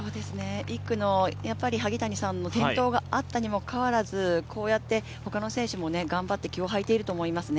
１区の萩谷さんの転倒があったにもかかわらず、こうやって他の選手も頑張って気を吐いていると思いますね。